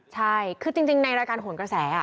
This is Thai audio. ใช่คือจริงในรายการโหนกระแส